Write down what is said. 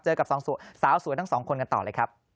กับสาวสวยทั้งสองคนกันต่อเลยครับ